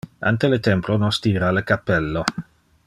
Ante le templo nos tira le cappello.